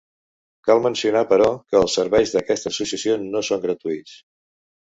Cal mencionar, però, que els serveis d'aquesta associació no són gratuïts.